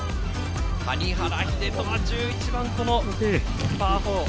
谷原秀人は１１番、このパー４。